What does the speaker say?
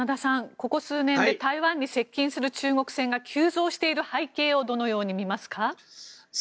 ここ数年で台湾に接近する中国船が急増している背景をどのように見ますか？